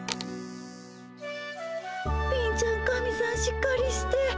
貧ちゃん神さんしっかりして。